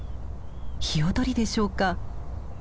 ヒヨドリでしょうか？